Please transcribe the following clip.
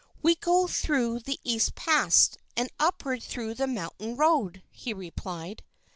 "We go through the East pass, and upward through the mountain road," he replied.